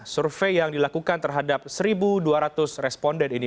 survei yang dilakukan terhadap satu dua ratus responden ini